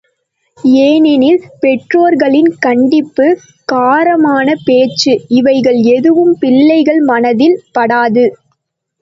ஏனெனில் பெற்றோர்களின் கண்டிப்பு, காரமான பேச்சு இவைகள் எதுவும் பிள்ளைகள் மனதில் படாது.